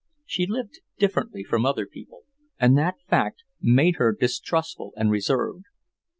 She lived differently from other people, and that fact made her distrustful and reserved.